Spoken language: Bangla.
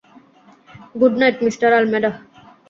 Good night mister Almeida.